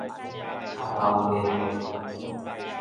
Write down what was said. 跤頭趺下